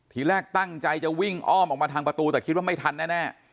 ทีแรกตั้งใจจะวิ่งอ้อมออกมาทางประตูแต่คิดว่าไม่ทันแน่